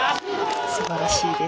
素晴らしいです。